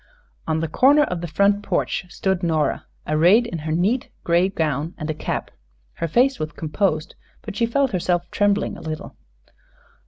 On the corner of the front porch stood Nora, arrayed in her neat gray gown and a cap. Her face was composed, but she felt herself trembling a little.